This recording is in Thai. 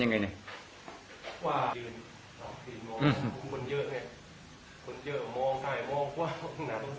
ต้องเข้าจากไปด้วย